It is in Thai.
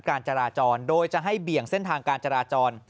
การจราจรโดยจะให้เบี่ยงเส้นทางการจราจร